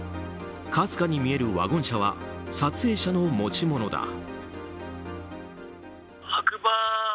かすかに見えるワゴン車は撮影者の持ち物だ。